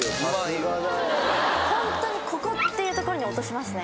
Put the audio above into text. ホントにここっていう所に落としますね。